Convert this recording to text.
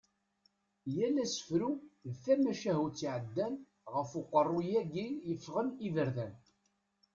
Yal asefru d tamacahutt iɛeddan ɣef uqerru-yagi yeffɣen iberdan.